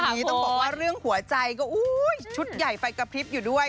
นี้ต้องบอกว่าเรื่องหัวใจก็ชุดใหญ่ไฟกระพริบอยู่ด้วย